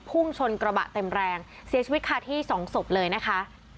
พุ่งชนกระบะเต็มแรงเสียชีวิตคาที่สองศพเลยนะคะ